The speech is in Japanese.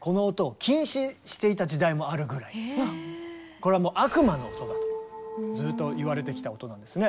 これはもう「悪魔の音」だとずっといわれてきた音なんですね。